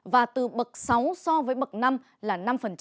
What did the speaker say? và từ bậc sáu so với bậc năm là năm